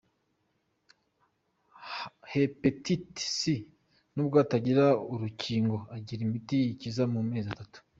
Hepatite C nubwo itagira urukingo igira imiti iyikiza mu mezi atatu.